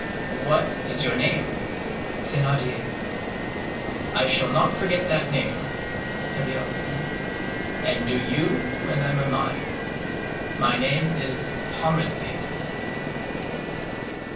"What is your name?" "Thénardier." "I shall not forget that name," said the officer; "and do you remember mine. My name is Pontmercy."